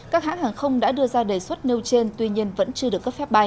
các hãng hàng không đã đưa ra đề xuất nêu trên tuy nhiên vẫn chưa được cấp phép bay